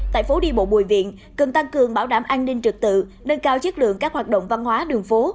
tại phố đi bộ bùi viện cần tăng cường bảo đảm an ninh trực tự nâng cao chất lượng các hoạt động văn hóa đường phố